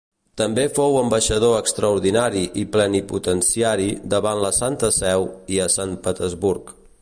També fou ambaixador extraordinari i plenipotenciari davant la Santa Seu i a Sant Petersburg.